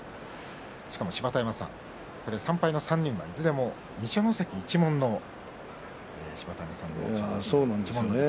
しかも芝田山さん３敗の３人はいずれも二所ノ関一門の芝田山さんの一門の力士ですね。